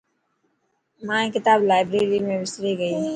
مائي ڪتاب لائبريري ۾ وسري گئي.